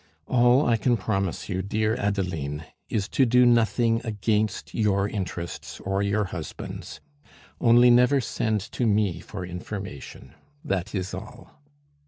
All I can promise you, dear Adeline, is to do nothing against your interests or your husband's. Only never send to me for information. That is all."